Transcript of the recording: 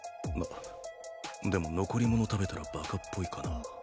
あっでも残り物食べたらバカっぽいかな？